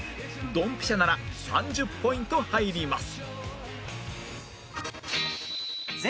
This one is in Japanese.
ドンピシャなら３０ポイント入ります